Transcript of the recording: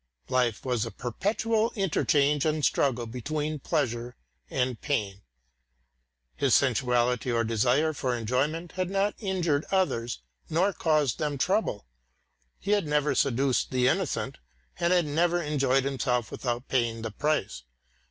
Life was a perpetual interchange and struggle between pleasure and pain. His sensuality or desire for enjoyment had not injured others nor caused them trouble. He had never seduced the innocent, and had never enjoyed himself without paying the price.